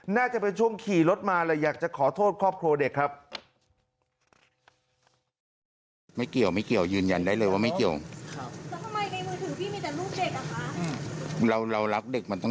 น่าจะเป็นช่วงขี่รถมาเลยอยากจะขอโทษครอบครัวเด็กครับ